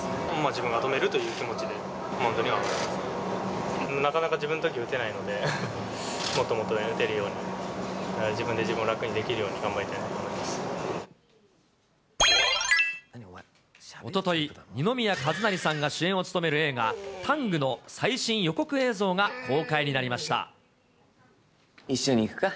自分が止めるという気持ちで、なかなか自分のとき打てないので、もっともっと打てるように、自分で自分を楽にできるように頑おととい、二宮和也さんが主演を務める映画、タングの最新予告映像が公開にな一緒に行くか？